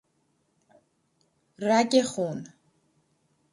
رگ خون